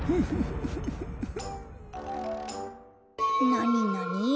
なになに？